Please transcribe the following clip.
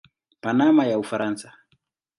Panama na Ufaransa.